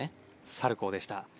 サルコウでした。